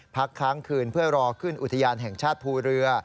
พักค้างคืนเพื่อรอขึ้นอุทยานแห่งชาติภูเรือ